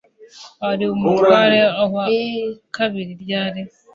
wari umutware uwa kabiri yari